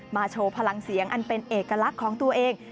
โชว์พลังเสียงอันเป็นเอกลักษณ์ของตัวเอง